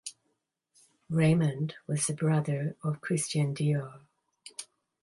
Raymond was the brother of Christian Dior.